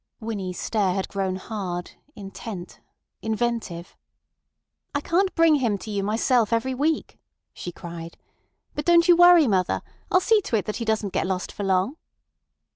Winnie's stare had grown hard, intent, inventive. "I can't bring him to you myself every week," she cried. "But don't you worry, mother. I'll see to it that he don't get lost for long."